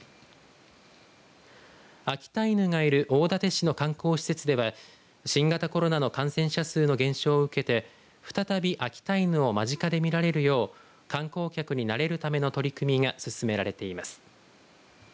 秋田犬がいる大館市の観光施設では新型コロナの感染者数の減少を受けて再び秋田犬を間近で見られるよう観光客に慣れるための取り組みが進められています。